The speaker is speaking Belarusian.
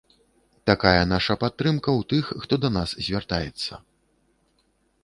Такая наша падтрымка ў тых, хто да нас звяртаецца.